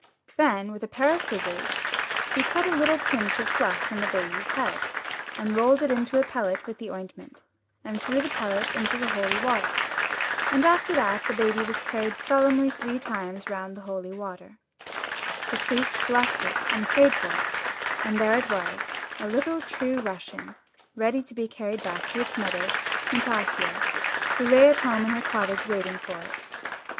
Then, with a pair of scissors, he cut a little pinch of fluff from the baby's head, and rolled it into a pellet with the ointment, and threw the pellet into the holy water. And after that the baby was carried solemnly three times round the holy water. The priest blessed it and prayed for it; and there it was, a little true Russian, ready to be carried back to its mother, Nastasia, who lay at home in her cottage waiting for it.